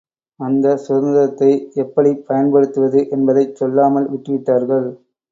அந்தச் சுதந்திரத்தை எப்படிப் பயன்படுத்துவது என்பதைச்சொல்லாமல் விட்டுவிட்டார்கள்.